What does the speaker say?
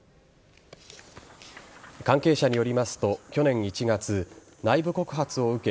関係者によりますと、去年１月内部告発を受け